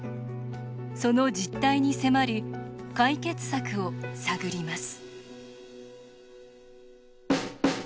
その実態に迫り解決策を探ります。